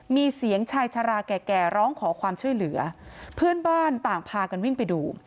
มีเสียงชายชาราแก่แก่ร้องขอความช่วยเหลือเพื่อนบ้านต่างพากันวิ่งไปดู